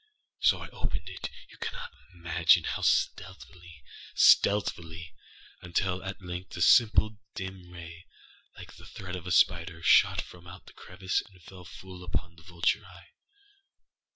So I opened itâyou cannot imagine how stealthily, stealthilyâuntil, at length a simple dim ray, like the thread of the spider, shot from out the crevice and fell full upon the vulture eye.